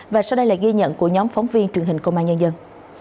và sau đây là ghi nhận của nhóm phóng viên truyền hình công an nhân dân